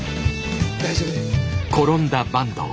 大丈夫です。